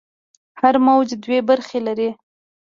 هر موج دوې برخې لري.